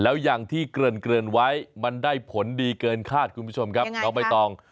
แล้วอย่างที่เกริ่นไว้มันได้ผลดีเกินคาดคุณผู้ชมครับน้องใบตอง